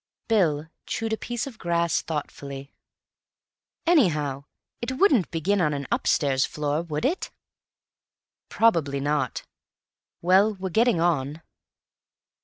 Bill chewed a piece of grass thoughtfully. "Anyhow, it wouldn't begin on an upstairs floor, would it?" "Probably not. Well, we're getting on."